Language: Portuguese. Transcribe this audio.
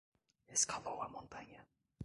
Escalou a montanha